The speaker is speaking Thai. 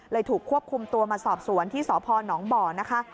ถูกควบคุมตัวมาสอบสวนที่สพนบ่อนะคะ